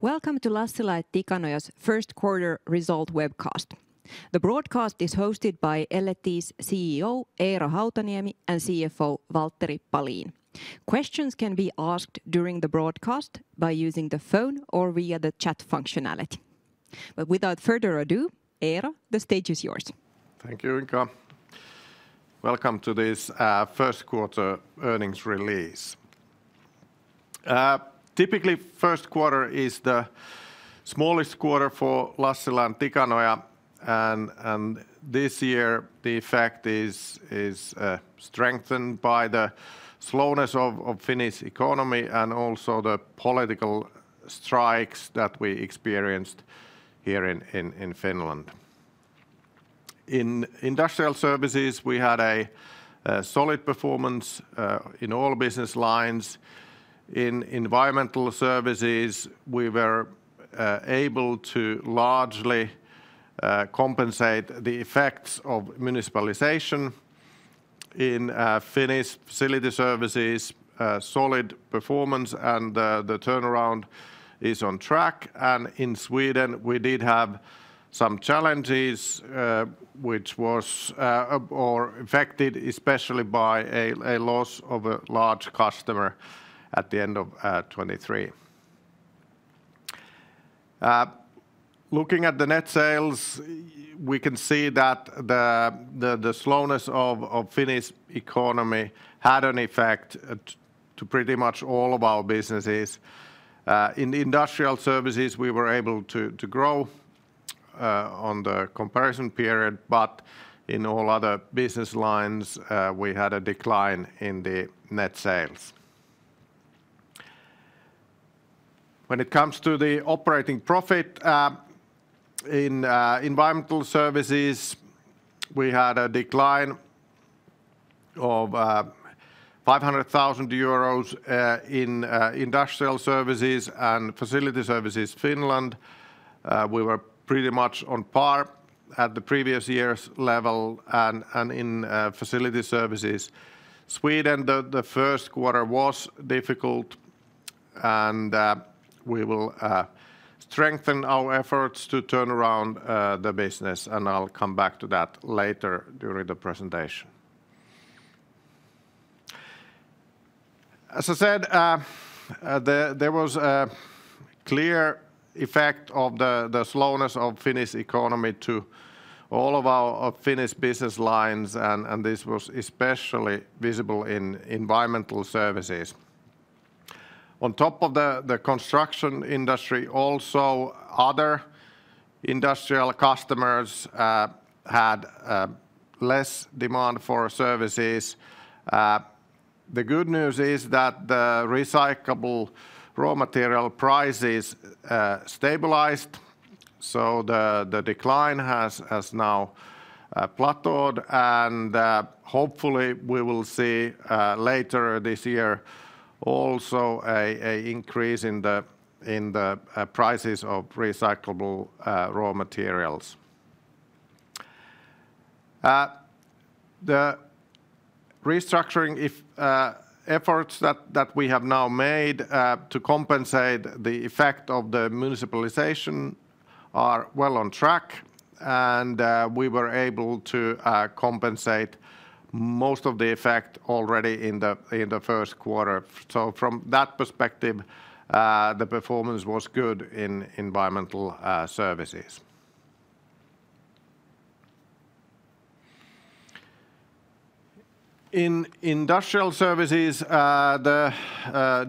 Welcome to Lassila & Tikanoja's first quarter result webcast. The broadcast is hosted by L&T's CEO, Eero Hautaniemi, and CFO, Valtteri Palin. Questions can be asked during the broadcast by using the phone or via the chat functionality. Without further ado, Eero, the stage is yours. Thank you, Inka. Welcome to this first quarter earnings release. Typically, first quarter is the smallest quarter for Lassila & Tikanoja, and this year, the effect is strengthened by the slowness of Finnish economy and also the political strikes that we experienced here in Finland. In Industrial Services, we had a solid performance in all business lines. In Environmental Services, we were able to largely compensate the effects of municipalization. In Finnish Facility Services, solid performance and the turnaround is on track. And in Sweden, we did have some challenges, which was or affected especially by a loss of a large customer at the end of 2023. Looking at the net sales, we can see that the slowness of Finnish economy had an effect to pretty much all of our businesses. In industrial services, we were able to grow on the comparison period, but in all other business lines, we had a decline in the net sales. When it comes to the operating profit, in environmental services, we had a decline of 500,000 euros. In industrial services and facility services, Finland, we were pretty much on par at the previous year's level and in facility services, Sweden, the first quarter was difficult, and we will strengthen our efforts to turn around the business, and I'll come back to that later during the presentation. As I said, there was a clear effect of the slowness of Finnish economy to all of our Finnish business lines, and this was especially visible in environmental services. On top of the construction industry, also other industrial customers had less demand for services. The good news is that the recyclable raw material prices stabilized, so the decline has now plateaued, and hopefully, we will see later this year also an increase in the prices of recyclable raw materials. The restructuring efforts that we have now made to compensate the effect of the municipalization are well on track, and we were able to compensate most of the effect already in the first quarter. So from that perspective, the performance was good in Environmental Services. In Industrial Services, the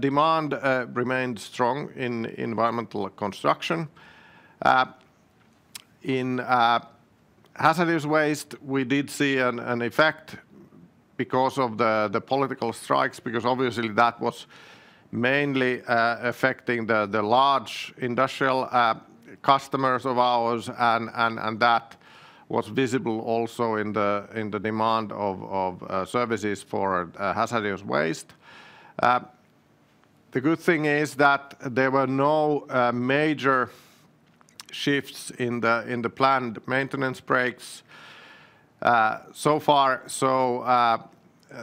demand remained strong in environmental construction. In hazardous waste, we did see an effect because of the political strikes, because obviously that was mainly affecting the large industrial customers of ours, and that was visible also in the demand of services for hazardous waste. The good thing is that there were no major shifts in the planned maintenance breaks so far, so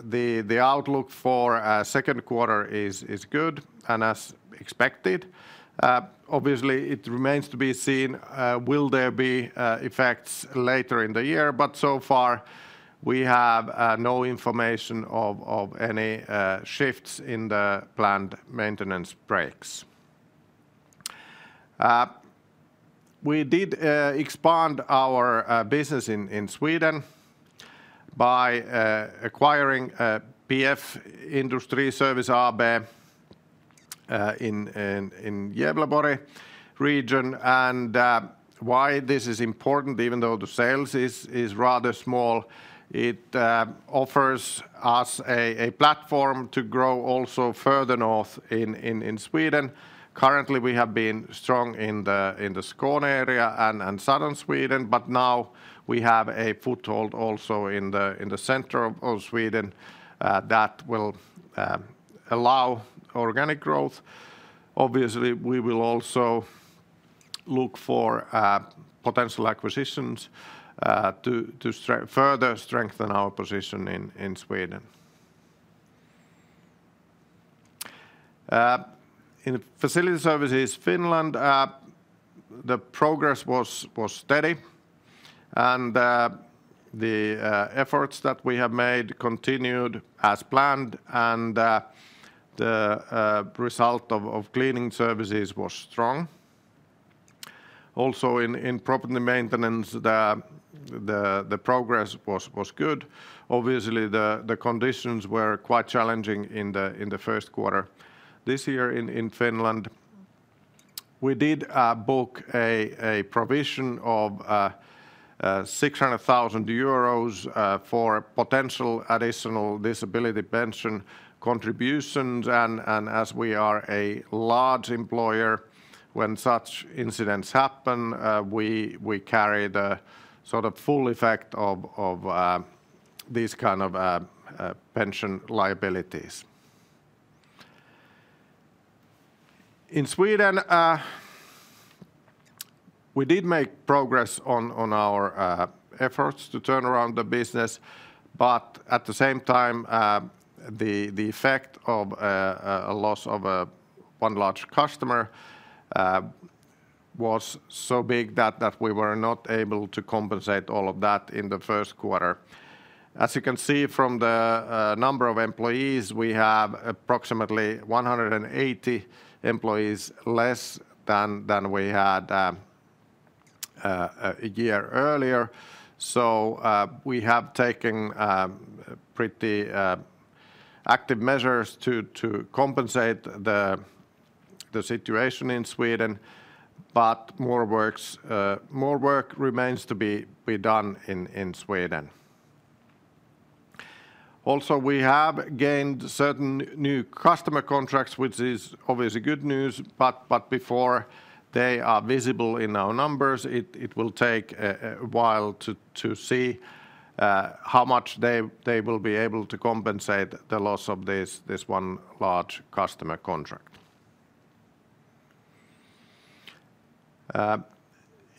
the outlook for second quarter is good and as expected. Obviously, it remains to be seen, will there be effects later in the year, but so far we have no information of any shifts in the planned maintenance breaks. We did expand our business in Sweden by acquiring PF Industriservice AB in Gävleborg region. And why this is important, even though the sales is rather small, it offers us a platform to grow also further north in Sweden. Currently, we have been strong in the Skåne area and southern Sweden, but now we have a foothold also in the center of Sweden that will allow organic growth. Obviously, we will also look for potential acquisitions to further strengthen our position in Sweden. In Facility Services Finland, the progress was steady, and the efforts that we have made continued as planned, and the result of cleaning services was strong. Also, in property maintenance, the progress was good. Obviously, the conditions were quite challenging in the first quarter. This year in Finland, we did book a provision of 600,000 euros for potential additional disability pension contributions. As we are a large employer, when such incidents happen, we carry the sort of full effect of these kind of pension liabilities. In Sweden, we did make progress on our efforts to turn around the business, but at the same time, the effect of a loss of one large customer was so big that we were not able to compensate all of that in the first quarter. As you can see from the number of employees, we have approximately 180 employees less than we had a year earlier. So, we have taken pretty active measures to compensate the situation in Sweden, but more work remains to be done in Sweden. Also, we have gained certain new customer contracts, which is obviously good news, but before they are visible in our numbers, it will take a while to see how much they will be able to compensate the loss of this one large customer contract.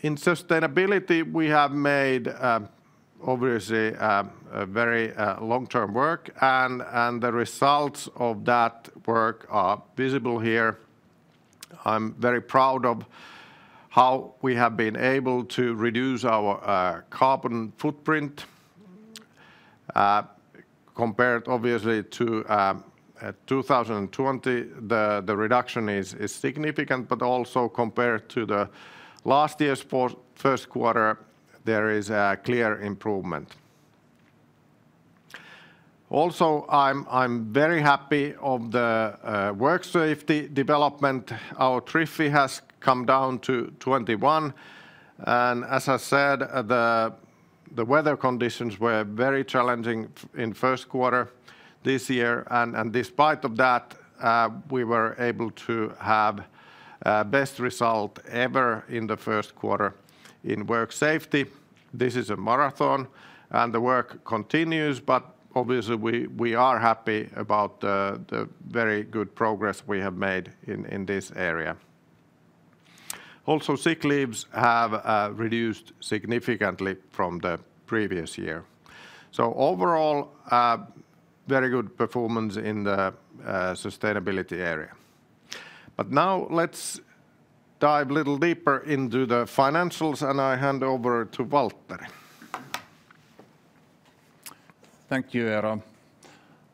In sustainability, we have made obviously a very long-term work, and the results of that work are visible here. I'm very proud of how we have been able to reduce our carbon footprint. Compared obviously to 2020, the reduction is significant, but also compared to the last year's first quarter, there is a clear improvement. Also, I'm very happy of the work safety development. Our TRIF has come down to 21, and as I said, the weather conditions were very challenging in first quarter this year, and despite of that, we were able to have best result ever in the first quarter in work safety. This is a marathon, and the work continues, but obviously we are happy about the very good progress we have made in this area. Also, sick leaves have reduced significantly from the previous year. So overall, a very good performance in the sustainability area. But now let's dive a little deeper into the financials, and I hand over to Valtteri. Thank you, Eero,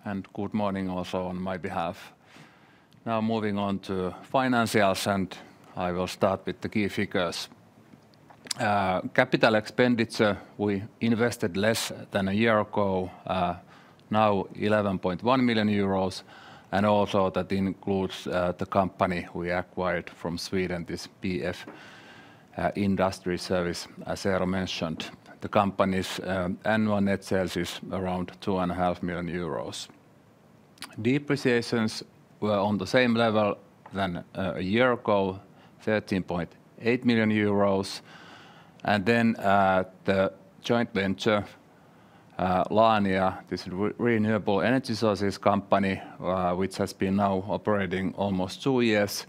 and good morning also on my behalf. Now moving on to financials, and I will start with the key figures. Capital expenditure, we invested less than a year ago, now 11.1 million euros, and also that includes the company we acquired from Sweden, this PF Industriservice. As Eero mentioned, the company's annual net sales is around 2.5 million euros. Depreciations were on the same level than a year ago, 13.8 million euros. Then, the joint venture, Laania, this renewable energy sources company, which has been now operating almost two years,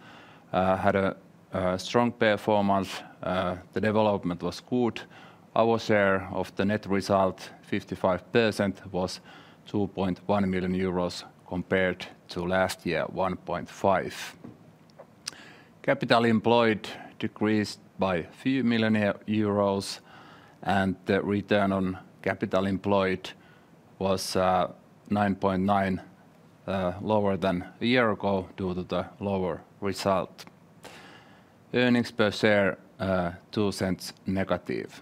had a strong performance. The development was good. Our share of the net result, 55%, was 2.1 million euros compared to last year, 1.5 million. Capital employed decreased by a few million euros, and the return on capital employed was 9.9% lower than a year ago due to the lower result. Earnings per share -0.02.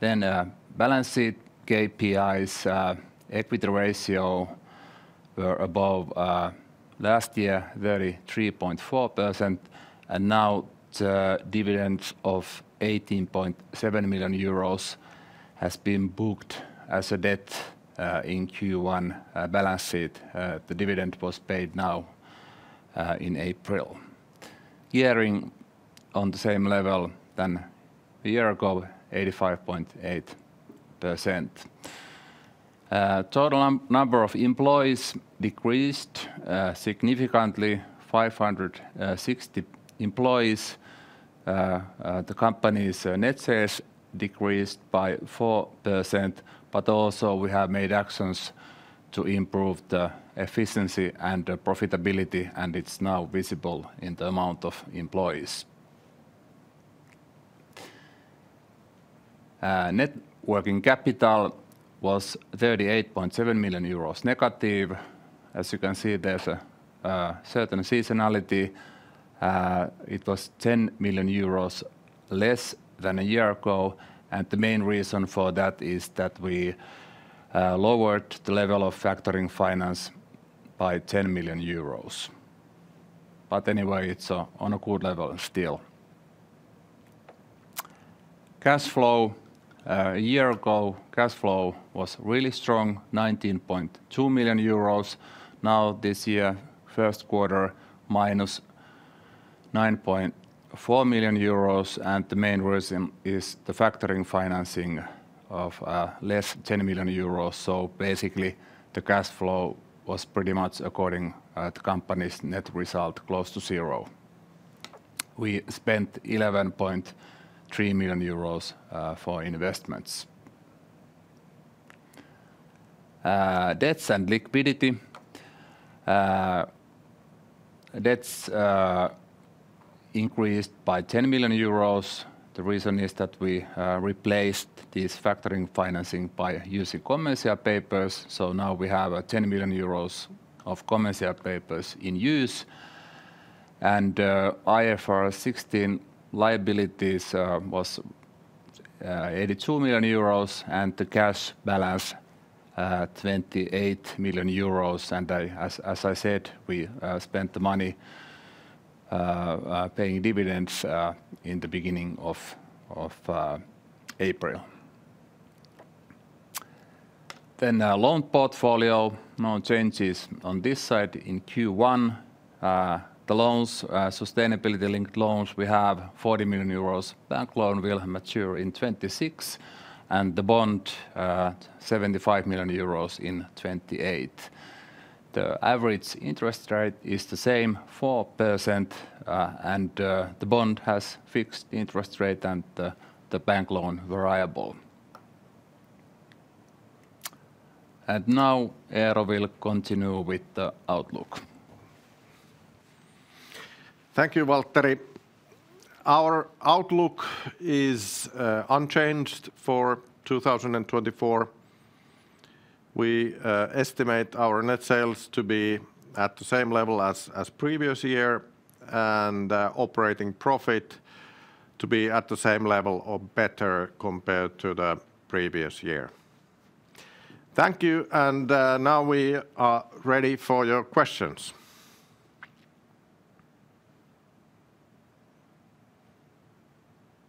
Then, balance sheet KPIs, equity ratio were above last year, 33.4%, and now the dividends of 18.7 million euros has been booked as a debt in Q1 balance sheet. The dividend was paid now in April. Gearing on the same level than a year ago, 85.8%. Total number of employees decreased significantly, 560 employees, the company's net sales decreased by 4%, but also we have made actions to improve the efficiency and the profitability, and it's now visible in the amount of employees. Net working capital was 38.7 million euros negative. As you can see, there's a certain seasonality. It was 10 million euros less than a year ago, and the main reason for that is that we lowered the level of factoring finance by 10 million euros. But anyway, it's on a good level still. Cash flow a year ago was really strong, 19.2 million euros. Now, this year, first quarter, minus 9.4 million euros, and the main reason is the factoring financing of less 10 million euros. So basically, the cash flow was pretty much according to company's net result, close to zero. We spent 11.3 million euros for investments. Debts and liquidity. Debts increased by 10 million euros. The reason is that we replaced this factoring finance by using commercial papers. So now we have 10 million euros of commercial papers in use. And IFRS 16 liabilities was 82 million euros, and the cash balance 28 million euros. And as I said, we spent the money paying dividends in the beginning of April. Then loan portfolio, no changes on this side in Q1. The loans, sustainability-linked loans, we have 40 million euros. Bank loan will mature in 2026, and the bond 75 million euros in 2028. The average interest rate is the same, 4%, and the bond has fixed interest rate and the bank loan variable. And now Eero will continue with the outlook. Thank you, Valtteri. Our outlook is unchanged for 2024. We estimate our net sales to be at the same level as previous year, and operating profit to be at the same level or better compared to the previous year. Thank you, and now we are ready for your questions.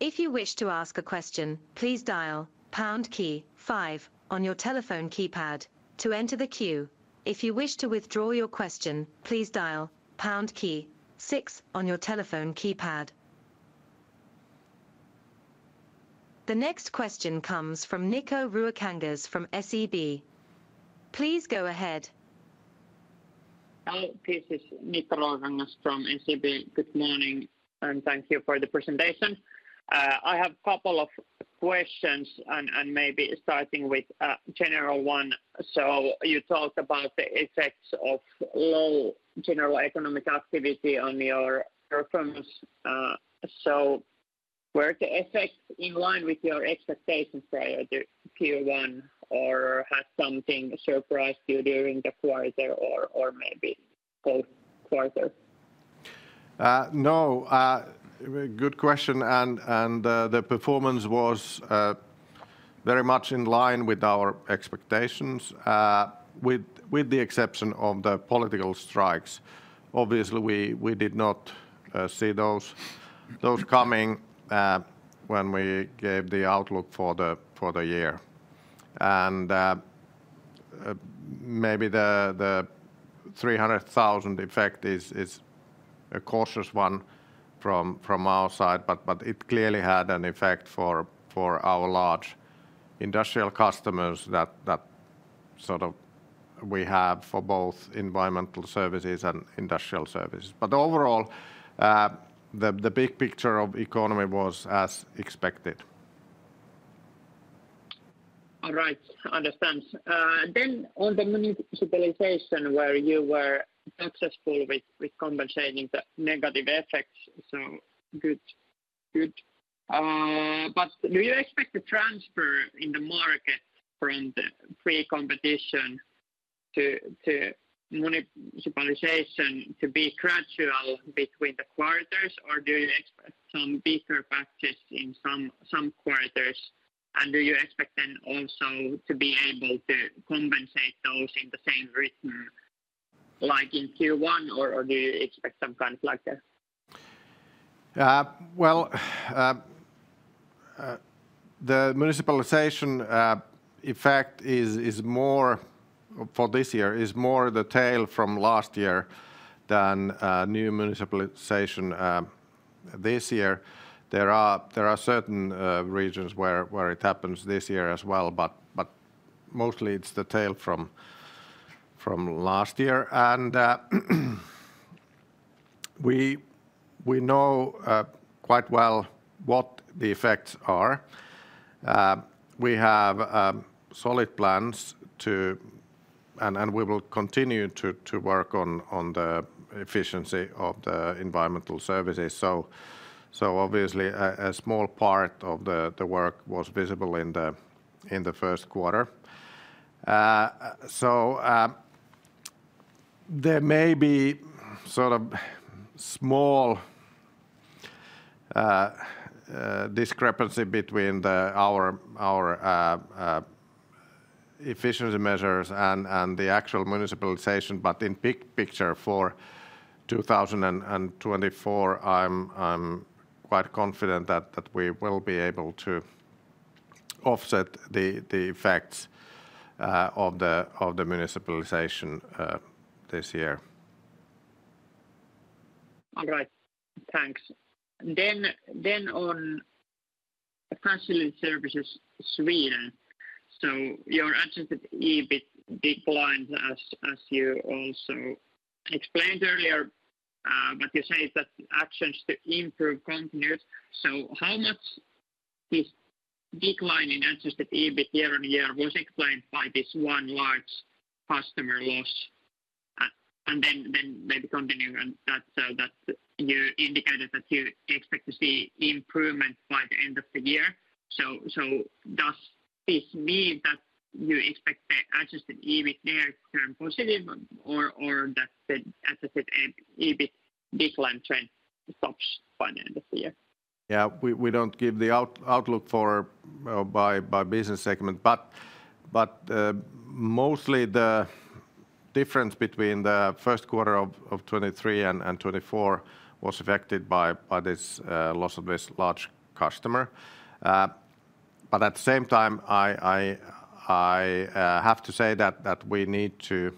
If you wish to ask a question, please dial pound key five on your telephone keypad to enter the queue. If you wish to withdraw your question, please dial pound key six on your telephone keypad. The next question comes from Niko Ruokangas from SEB. Please go ahead. Hi, this is Niko Ruokangas from SEB. Good morning, and thank you for the presentation. I have couple of questions and maybe starting with a general one. So you talked about the effects of low general economic activity on your performance. So were the effects in line with your expectations for the Q1, or has something surprised you during the quarter or maybe both quarters? No. Good question, and the performance was very much in line with our expectations, with the exception of the political strikes. Obviously, we did not see those coming when we gave the outlook for the year. And maybe the 300,000 effect is a cautious one from our side, but it clearly had an effect for our large industrial customers that sort of we have for both Environmental Services and Industrial Services. But overall, the big picture of economy was as expected. All right, understands. Then on the municipalization, where you were successful with, with compensating the negative effects, so good. Good. But do you expect the transfer in the market from the free competition to, to municipalization to be gradual between the quarters, or do you expect some bigger patches in some, some quarters? And do you expect then also to be able to compensate those in the same rhythm, like in Q1, or, or do you expect some conflict there? Well, the municipalization effect is more for this year, is more the tail from last year than new municipalization this year. There are certain regions where it happens this year as well, but mostly it's the tail from last year, and we know quite well what the effects are. We have solid plans and we will continue to work on the efficiency of the Environmental Services. So obviously a small part of the work was visible in the first quarter. So, there may be sort of small discrepancy between our efficiency measures and the actual municipalization, but in big picture for 2024, I'm quite confident that we will be able to offset the effects of the municipalization this year. All right, thanks. Then on Facility Services Sweden, so your Adjusted EBIT declined, as you also explained earlier, but you say that actions to improve continued. So how much this decline in Adjusted EBIT year-on-year was explained by this one large customer loss? And then maybe continue on that, so that you indicated that you expect to see improvement by the end of the year. So does this mean that you expect the Adjusted EBIT near-term positive or that the Adjusted EBIT decline trend stops by the end of the year? Yeah, we don't give the outlook by business segment. But mostly the difference between the first quarter of 2023 and 2024 was affected by this loss of this large customer. But at the same time, I have to say that we need to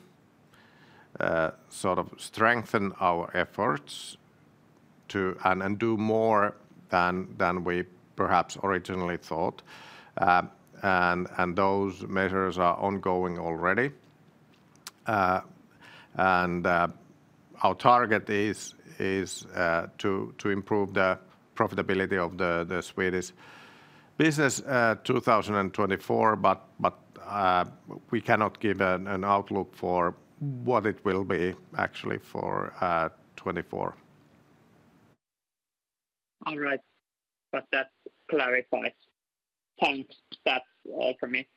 sort of strengthen our efforts to and do more than we perhaps originally thought. And those measures are ongoing already. And our target is to improve the profitability of the Swedish business 2024, but we cannot give an outlook for what it will be actually for 2024. All right. But that clarifies. Thanks. That's all from me.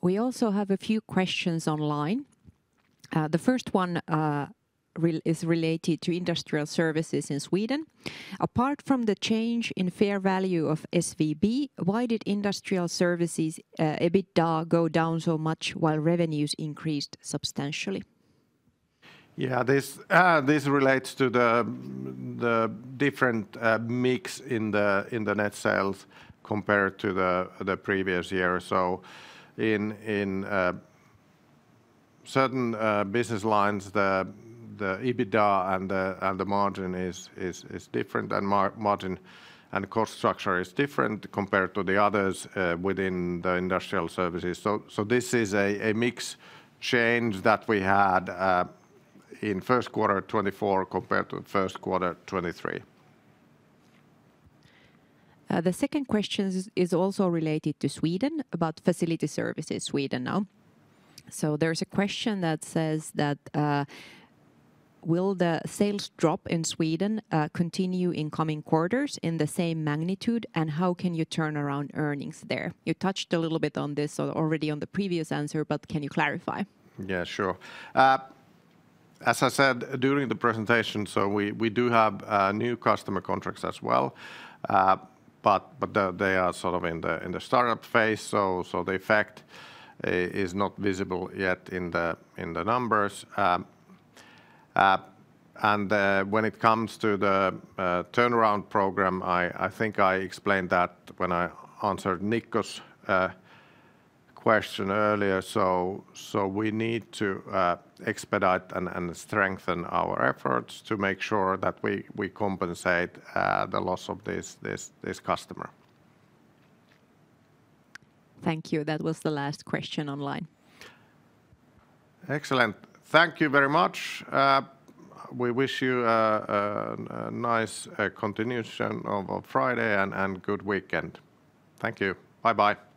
We also have a few questions online. The first one is related to industrial services in Sweden. Apart from the change in fair value of SVB, why did industrial services EBITDA go down so much while revenues increased substantially? Yeah, this relates to the different mix in the net sales compared to the previous year. So in certain business lines, the EBITDA and the margin is different, and margin and cost structure is different compared to the others within the industrial services. So this is a mix change that we had in first quarter 2024 compared to first quarter 2023. The second question is also related to Sweden, about Facility Services Sweden now. So there's a question that says that, "Will the sales drop in Sweden, continue in coming quarters in the same magnitude, and how can you turn around earnings there?" You touched a little bit on this already on the previous answer, but can you clarify? Yeah, sure. As I said, during the presentation, so we do have new customer contracts as well, but they are sort of in the startup phase, so the effect is not visible yet in the numbers. When it comes to the turnaround program, I think I explained that when I answered Niko's question earlier. So we need to expedite and strengthen our efforts to make sure that we compensate the loss of this customer. Thank you. That was the last question online. Excellent. Thank you very much. We wish you a nice continuation of Friday and good weekend. Thank you. Bye-bye.